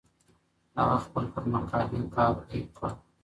هغه خپل پر مقالي کار پیل کړ.